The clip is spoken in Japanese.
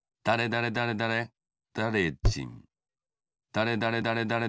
だれだれだれだれ